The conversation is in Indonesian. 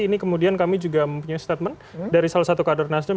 ini kemudian kami juga mempunyai statement dari salah satu kader nasdem